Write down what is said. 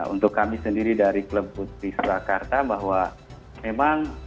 untuk kami sendiri dari klub putri surakarta bahwa memang